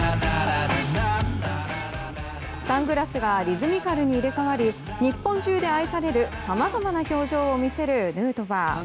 サングラスがリズミカルに入れ替わり日本中で愛されるさまざまな表情を見せるヌートバー。